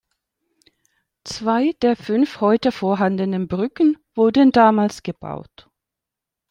Zwei der fünf heute vorhandenen Brücken wurden damals gebaut.